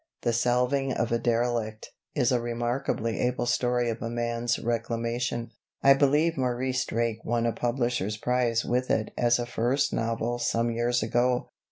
'The Salving of a Derelict' is a remarkably able story of a man's reclamation. I believe Maurice Drake won a publisher's prize with it as a first novel some years ago.